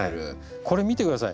これ見て下さい。